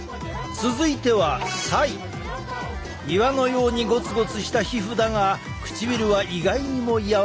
続いては岩のようにゴツゴツした皮膚だが唇は意外にもやわらかい。